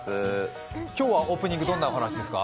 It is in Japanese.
今日はオープニング、どんなお話ですか？